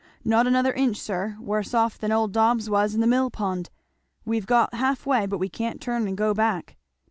"Not another inch, sir; worse off than old Dobbs was in the mill pond, we've got half way but we can't turn and go back."